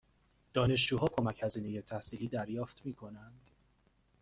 دانشجوها کمک هزینه تحصیلی دریافت می کنند؟